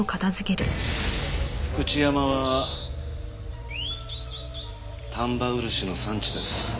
福知山は丹波漆の産地です。